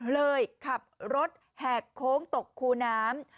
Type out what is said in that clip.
เลยขับรถแหกโค้งตกคูน้ำ